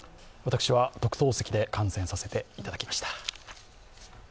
私は特等席で観戦させていただきました。